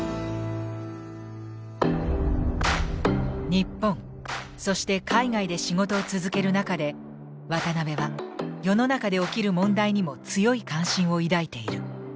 日本そして海外で仕事を続ける中で渡辺は世の中で起きる問題にも強い関心を抱いている。